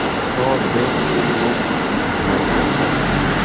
Ho, ve! Unu momenton.